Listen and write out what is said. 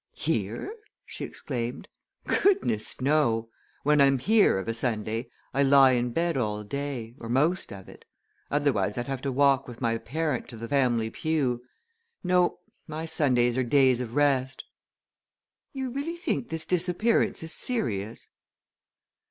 "Here?" she exclaimed. "Goodness, no! When I'm here of a Sunday, I lie in bed all day, or most of it. Otherwise, I'd have to walk with my parent to the family pew. No my Sundays are days of rest! You really think this disappearance is serious?"